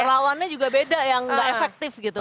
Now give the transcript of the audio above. perlawannya juga beda yang gak efektif gitu